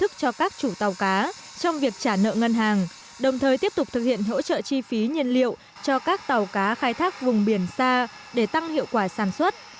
cho các tàu cá khai thác vùng biển xa để tăng hiệu quả sản xuất